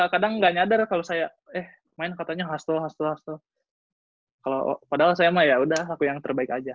kadang gak nyadar kalau saya main katanya hustle hustle padahal saya mah yaudah lakuin yang terbaik aja